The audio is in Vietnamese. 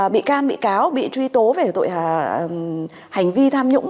bị can bị cáo bị truy tố về tội hành vi tham nhũng